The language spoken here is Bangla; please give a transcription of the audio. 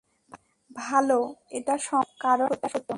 ভাল, এটা সম্ভব কারণ এটা সত্য।